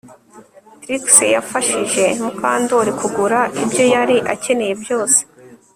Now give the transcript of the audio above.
Trix yafashije Mukandoli kugura ibyo yari akeneye byose